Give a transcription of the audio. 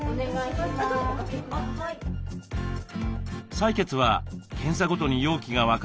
採血は検査ごとに容器が分かれ